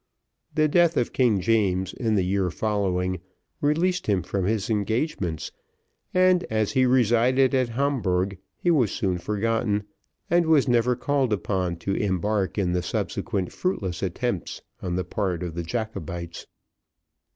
The death of King James in the year following, released him from his engagements, and, as he resided at Hamburgh, he was soon forgotten, and was never called upon to embark in the subsequent fruitless attempts on the part of the Jacobites.